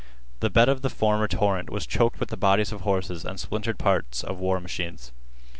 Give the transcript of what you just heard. The bed of the former torrent was choked with the bodies of horses and splintered parts of war machines.